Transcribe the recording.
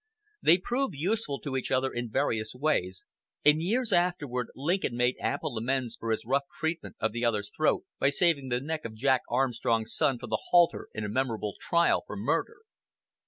They proved useful to each other in various ways, and years afterward Lincoln made ample amends for his rough treatment of the other's throat by saving the neck of Jack Armstrong's son from the halter in a memorable trial for murder.